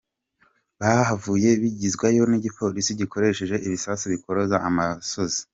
Bahavuye bigizwa yo n'igipolisi gikoresheje ibisasu bikoroza amasozi.